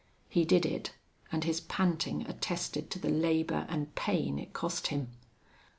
He did it, and his panting attested to the labor and pain it cost him.